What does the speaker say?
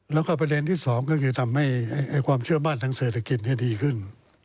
แล้วก็ประเด็นที่สองก็คือทำให้ความเชื่อมั่นทางเศรษฐกิจดีขึ้น